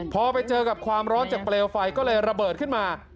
พอไปเจอกับความร้อนจากเปลวไฟก็เลยระเบิดขึ้นมา